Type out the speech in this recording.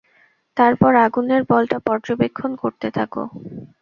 তারপর আগুনের বলটা পর্যবেক্ষণ করতে থাকো।